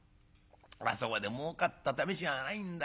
あそこでもうかったためしがないんだよ。